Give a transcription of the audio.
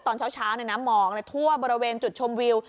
ตอนเช้าเนี่ยนะหมอกเนี่ยทั่วบริเวณจุดชมวิว